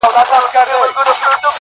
داسي حال په ژوند کي نه وو پر راغلی!!